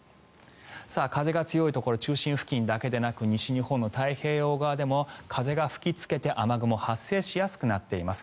風が強いところ中心付近だけでなく西日本の太平洋側でも風が吹きつけて雨雲発生しやすくなっています。